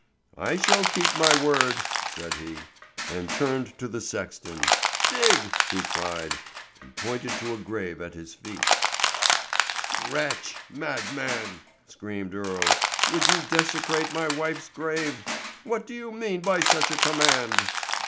"I shall keep my word," said he, and turned to the sexton. "Dig!" he cried, and pointed to a grave at his feet. "Wretch! madman!" screamed Earle, "would you desecrate my wife's grave? What do you mean by such a command?"